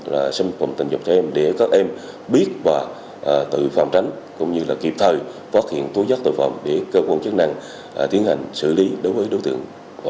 và xâm nhập của các nhà trường